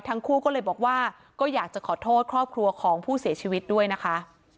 ทั้งคู่ก็เลยบอกว่าก็อยากจะขอโทษครอบครัวของผู้เสียชีวิตด้วยนะคะ